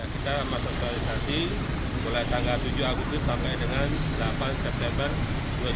kita sama sosialisasi mulai tanggal tujuh agustus sampai dengan delapan september dua ribu dua puluh